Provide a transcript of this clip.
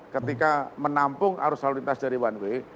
ketika menampung arus lalu lintas dari one way